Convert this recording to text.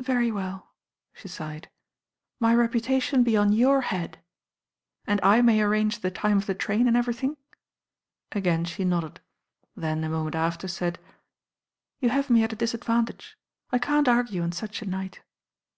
"Very well," she sighed. "My reputation be on your head." "And I may arrange the time of the tram and everything?" Again she nodded, then a moment after said: "You have me at a disadvantage. I can't argue on such a night.